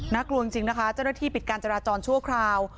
น่ากลัวจริงนะคะจะได้ที่ปิดการจราจรชั่วคราว